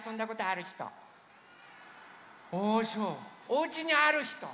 おうちにあるひと？